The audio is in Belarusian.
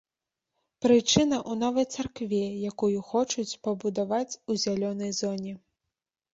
Прычына ў новай царкве, якую хочуць пабудаваць у зялёнай зоне.